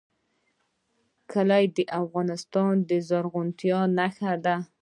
کلي د افغانستان د زرغونتیا نښه ده.